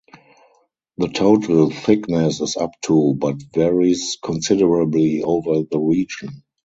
The total thickness is up to but varies considerably over the region.